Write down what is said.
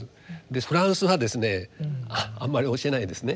フランスはですねあんまり教えないですね。